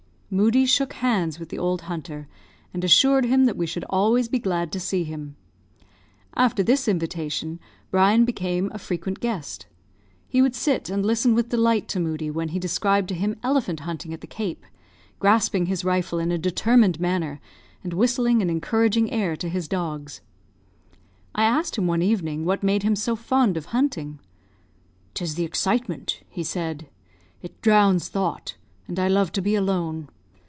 Moodie shook hands with the old hunter, and assured him that we should always be glad to see him. After this invitation, Brian became a frequent guest. He would sit and listen with delight to Moodie while he described to him elephant hunting at the Cape; grasping his rifle in a determined manner, and whistling an encouraging air to his dogs. I asked him one evening what made him so fond of hunting. "'Tis the excitement," he said; "it drowns thought, and I love to be alone.